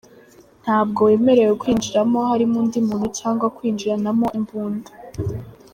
Ntabwo wemerewe kwinjiramo harimo undi muntu cyangwa kwinjiranamo imbunda.